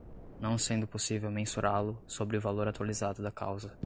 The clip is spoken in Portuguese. não sendo possível mensurá-lo, sobre o valor atualizado da causa